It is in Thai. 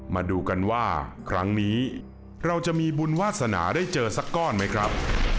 มาดูกันว่าครั้งนี้เราจะมีบุญวาสนาได้เจอสักก้อนไหมครับ